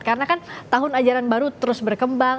karena kan tahun ajaran baru terus berkembang